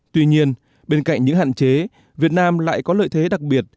tuy nhiên bên cạnh những hạn chế việt nam lại có lợi thế đặc biệt